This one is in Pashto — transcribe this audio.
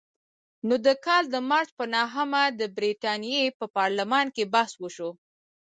نو د کال د مارچ په نهمه د برتانیې په پارلمان کې بحث وشو.